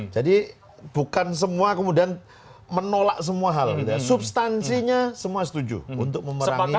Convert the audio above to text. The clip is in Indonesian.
jadi bukan semua kemudian menolak semua hal substansinya semua setuju untuk memerangi korupsi